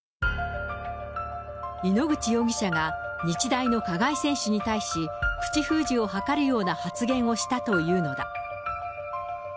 井ノ口容疑者が日大の加害選手に対し、口封じを図るような発言をしたというのだ。